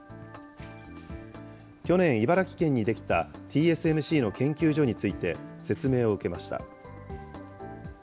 去年、茨城県に出来たＴＳＭＣの研究所について説明を受けました。